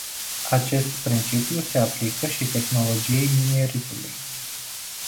Acest principiu se aplică și tehnologiei mineritului.